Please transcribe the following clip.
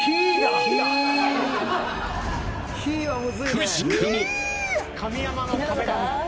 くしくも。